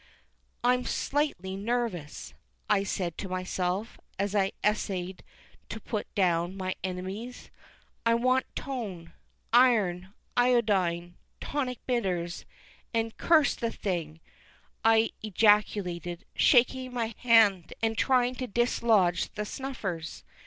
"I'm slightly nervous," I said to myself, as I essayed to put down my enemies. "I want tone iron iodine tonic bitters and curse the thing!" I ejaculated, shaking my hand and trying to dislodge the snuffers.